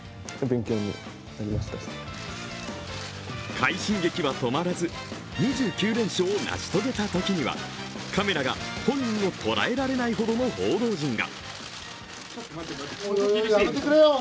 快進撃は止まらず２９連勝を成し遂げたときにはカメラが本人を捉えられないほどの報道陣が。